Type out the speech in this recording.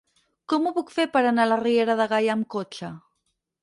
Com ho puc fer per anar a la Riera de Gaià amb cotxe?